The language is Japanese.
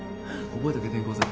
覚えとけ転校生。